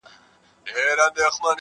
!آسمانه چېغو ته مي زور ورکړه!